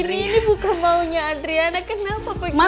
ini bukan maunya adriana